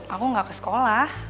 aku tidak ke sekolah